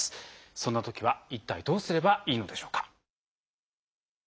そんなときは一体どうすればいいのでしょうか。